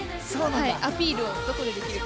アピールをどこでできるか。